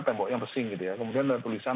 temboknya bersih gitu ya kemudian tulisan